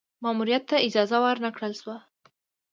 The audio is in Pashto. ماموریت ته اجازه ور نه کړل شوه.